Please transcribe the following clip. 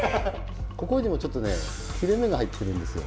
ここにもちょっとね切れ目が入ってるんですよ。